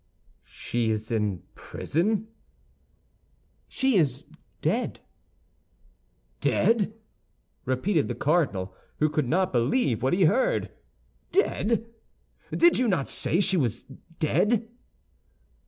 "She is in prison?" "She is dead." "Dead!" repeated the cardinal, who could not believe what he heard, "dead! Did you not say she was dead?"